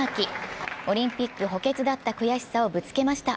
オリンピック補欠だった悔しさをぶつけました。